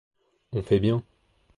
On fait bien.